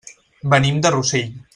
Venim de Rossell.